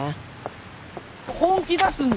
本気出すんで！